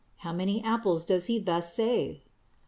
How many apples does he thus save?